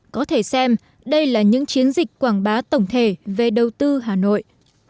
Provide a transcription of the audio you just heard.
có thể xem đây là những chiến dịch quảng bá tổng thể về đầu tư hà nội